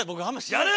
やれ！